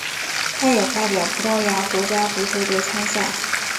他也代表葡萄牙国家足球队参赛。